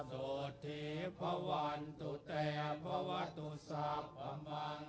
สุทธิภวันตุเตภวะตุสัพพะมัง